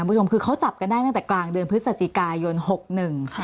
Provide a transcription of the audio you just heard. คุณผู้ชมคือเขาจับกันได้ตั้งแต่กลางเดือนพฤศจิกายนหกหนึ่ง